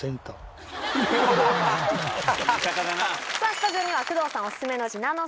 スタジオには工藤さんオススメの。